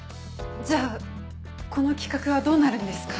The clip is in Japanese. じゃあこの企画はどうなるんですか？